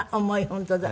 本当だ。